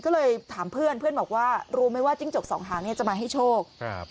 ก็เลยถามเพื่อนเพื่อนบอกว่ารู้ไหมว่าจิ้งจกสองหางเนี่ยจะมาให้โชคครับ